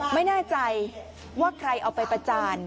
ไม่แน่ใจว่าใครเอาไปประจาน